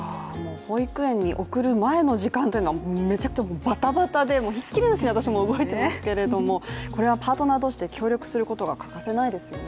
保育園に送る前の時間というのはバタバタでひっきりなしに私も動いていますけれども、これはパートナー同士で協力することが欠かせないですよね。